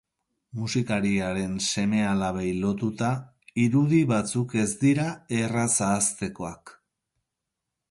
Musikariaren seme-alabei lotuta, irudi batzuk ez dira erraz ahaztekoak.